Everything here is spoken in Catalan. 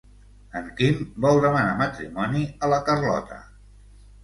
En Quim vol demanar matrimoni a la Carlota.